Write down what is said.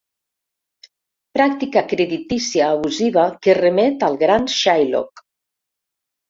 Pràctica creditícia abusiva que remet al gran Shylock.